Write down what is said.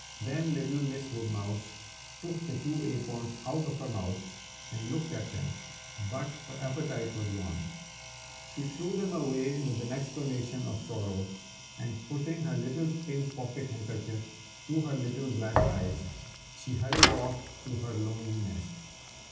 "Then little Miss Woodmouse took the two acorns out of her mouth, and looked at them; but her appetite was gone. She threw them away with an exclamation of sorrow, and putting her little pink pocket handkerchief up to her little black eyes, she hurried off to her lonely nest."